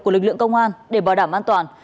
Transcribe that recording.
của lực lượng công an để bảo đảm an toàn